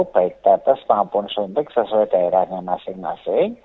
baik tetes maupun suntik sesuai daerahnya masing masing